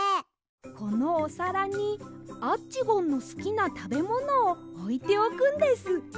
このおさらにアッチゴンのすきなたべものをおいておくんです。